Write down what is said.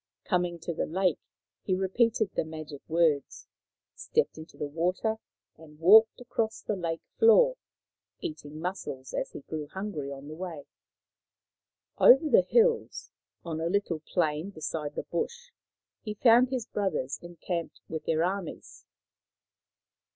Coming to the lake, he repeated the magic words, stepped into the water, and walked across on the lake floor, eating mussels as he grew hungry on the way. Over the hills, on a little plain beside the bush, he found his brothers encamped with their armies.